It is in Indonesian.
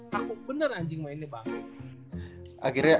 kaku bener anjing mainnya banget